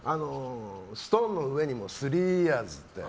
ストーンの上にもスリーイヤーズって。